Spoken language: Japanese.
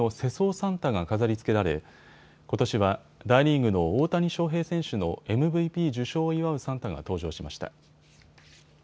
サンタが飾りつけられことしは大リーグの大谷翔平選手のＭＶＰ受賞を祝うサンタが登場しました。